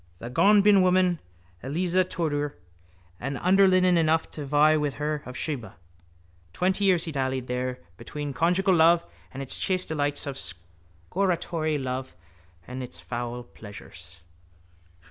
The gombeenwoman Eliza Tudor had underlinen enough to vie with her of Sheba. Twenty years he dallied there between conjugial love and its chaste delights and scortatory love and its foul pleasures.